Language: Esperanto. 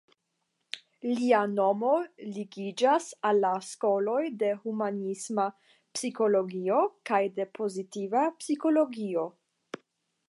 Lia nomo ligiĝas al la skoloj de humanisma psikologio kaj de pozitiva psikologio.